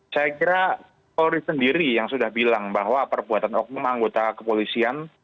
saya kira polri sendiri yang sudah bilang bahwa perbuatan oknum anggota kepolisian